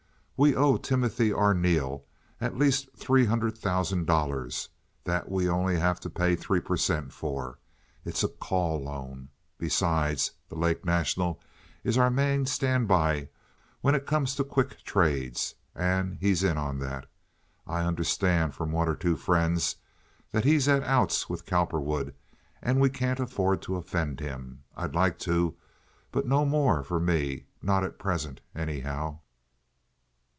"We owe Timothy Arneel at least three hundred thousand dollars that we only have to pay three per cent. for. It's a call loan. Besides, the Lake National is our main standby when it comes to quick trades, and he's in on that. I understand from one or two friends that he's at outs with Cowperwood, and we can't afford to offend him. I'd like to, but no more for me—not at present, anyhow."